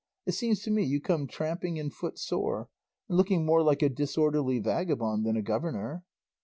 It seems to me you come tramping and footsore, and looking more like a disorderly vagabond than a governor."